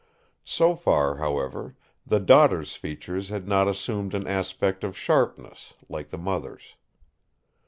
So far, however, the daughter's features had not assumed an aspect of sharpness, like the mother's.